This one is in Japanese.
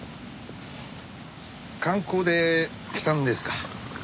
観光で来たんですか？